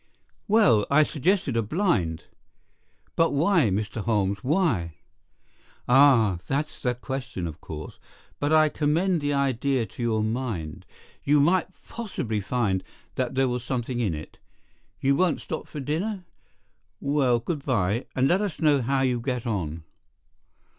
"Well, I suggested a blind." "But why, Mr. Holmes, why?" "Ah, that's the question, of course. But I commend the idea to your mind. You might possibly find that there was something in it. You won't stop for dinner? Well, good bye, and let us know how you get on."